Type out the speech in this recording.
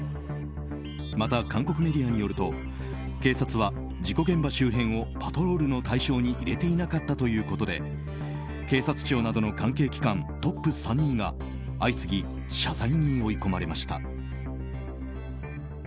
また、韓国メディアによると警察は事故現場周辺をパトロールの対象に入れていなかったということで警察庁などの関係機関トップ３人が相次ぎ謝罪に追い込まれました。